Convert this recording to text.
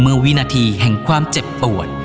เมื่อวินาทีแห่งความเจ็บอ่วน